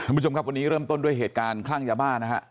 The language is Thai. คุณผู้ชมครับวันนี้เริ่มต้นด้วยเหตุการณ์คลั่งยาบ้านะฮะ